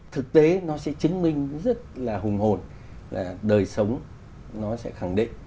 thực tế nó sẽ chứng minh rất là hùng hồn là đời sống nó sẽ khẳng định